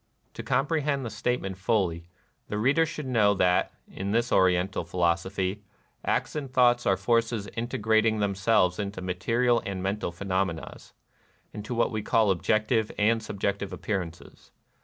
To compre hend the statement fully, the reader should know that, in this Oriental philosophy, acts and thoughts are forces integrating them selves into material and mental phenomena, 220 NIRVANA — into what we call objective and subjective appearances.